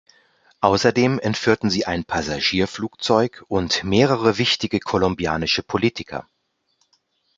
Außerdem entführten sie ein Passagierflugzeug und mehrere wichtige kolumbianische Politiker.